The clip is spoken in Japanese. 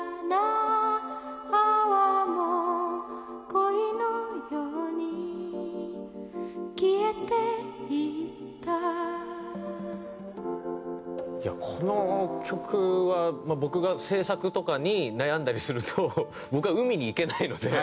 「この店に来るたび」いやこの曲は僕が制作とかに悩んだりすると僕は海に行けないので。